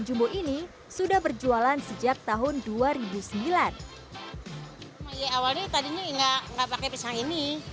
jumbo ini sudah berjualan sejak tahun dua ribu sembilan awalnya tadinya enggak enggak pakai pisang ini